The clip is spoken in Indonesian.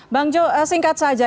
bang jokowi singkat saja